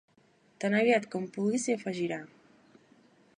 Tan aviat com pugui s'hi afegirà.